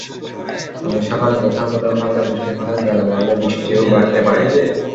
তবে সকালে কোথাও কোথাও হালকা বৃষ্টি হলেও বেলা বাড়লে বৃষ্টিও বাড়তে পারে।